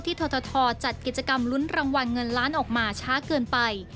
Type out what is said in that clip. ททจัดกิจกรรมลุ้นรางวัลเงินล้านออกมาช้าเกินไป